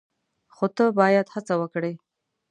خو ته باید هڅه وکړې !